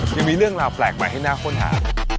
ยังมีเรื่องราวแปลกใหม่ให้น่าค้นหา